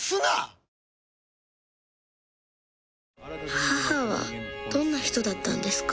母はどんな人だったんですか？